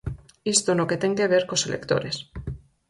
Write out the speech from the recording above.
Isto no que ten que ver cos electores.